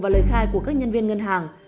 và lời khai của các nhân viên ngân hàng